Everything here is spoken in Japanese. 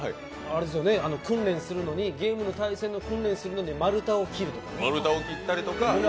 訓練するのにゲームの対戦の訓練するのに丸太を切るとか。